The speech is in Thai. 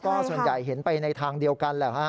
ก็ส่วนใหญ่เห็นไปในทางเดียวกันแหละฮะ